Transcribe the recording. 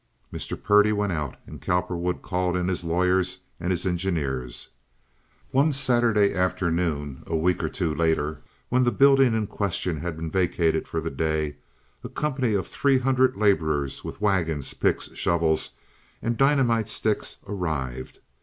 Mr. Purdy went out, and Cowperwood called in his lawyers and his engineers. One Saturday afternoon, a week or two later, when the building in question had been vacated for the day, a company of three hundred laborers, with wagons, picks, shovels, and dynamite sticks, arrived.